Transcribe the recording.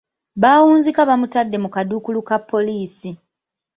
Baawunzika bamutadde mu kaduukulu ka poliisi.